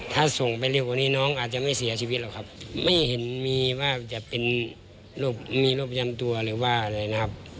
ถ้าส่งไปเร็วกว่านี้น้องอาจจะไม่เสียชีวิตหรอกครับไม่เห็นมีว่าจะเป็นโรคมีโรคประจำตัวหรือว่าอะไรนะครับ